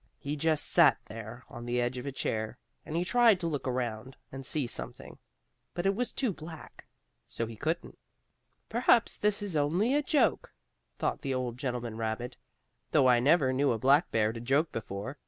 He just sat there, on the edge of a chair, and he tried to look around, and see something, but it was too black, so he couldn't. "Perhaps this is only a joke," thought the old gentleman rabbit, "though I never knew a black bear to joke before.